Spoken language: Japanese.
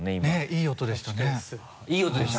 いい音でした。